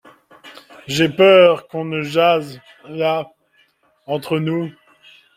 J’ai peur qu’on ne jase, là, entre nous.